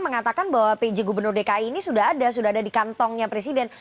mengatakan bahwa pj gubernur dki ini sudah ada sudah ada di kantongnya presiden